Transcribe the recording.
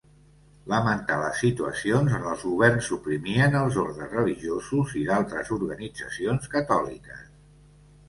Lamentà les situacions on els governs suprimien els ordes religiosos i d'altres organitzacions catòliques.